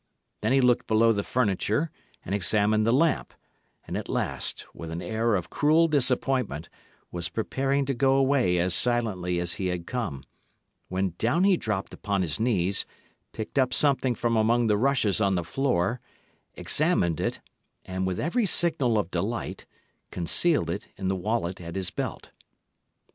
Then he looked below the furniture, and examined the lamp; and, at last, with an air of cruel disappointment, was preparing to go away as silently as he had come, when down he dropped upon his knees, picked up something from among the rushes on the floor, examined it, and, with every signal of delight, concealed it in the wallet at his belt.